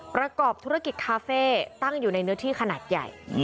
ประกอบธุรกิจคาเฟ่ตั้งอยู่ในเนื้อที่ขนาดใหญ่